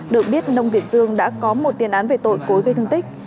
được biết nông việt dương đã có một tiền án về tội cối gây thương tích